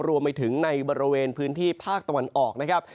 รวมไปถึงในบริเวณพื้นที่ภาคตะวันออกนะครับ